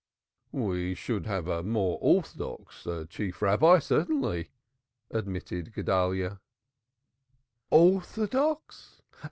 "We should have a more orthodox Chief Rabbi, certainly," admitted Guedalyah. "Orthodox?